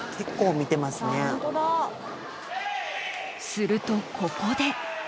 ［するとここで］